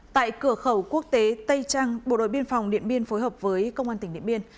tại cửa khẩu quốc tế tây trăng bộ đội biên phòng điện biên phối hợp với công an tỉnh điện biên